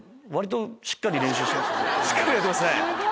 しっかりやってますね。